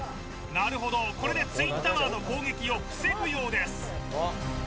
なるほどこれでツインタワーの攻撃を防ぐようです